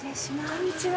こんにちは。